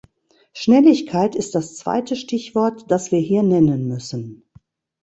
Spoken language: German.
Schnelligkeit ist das zweite Stichwort, das wir hier nennen müssen.